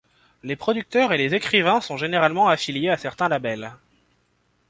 Les producteurs et les écrivains sont généralement affiliés à certains labels.